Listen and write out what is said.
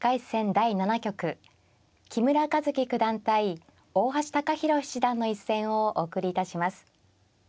第７局木村一基九段対大橋貴洸七段の一戦をお送りいたします。